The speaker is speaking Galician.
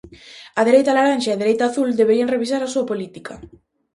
A dereita laranxa e a dereita azul deberían revisar a súa política.